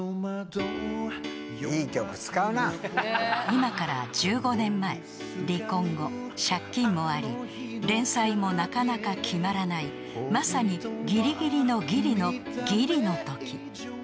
［今から１５年前離婚後借金もあり連載もなかなか決まらないまさにギリギリのギリのギリのとき］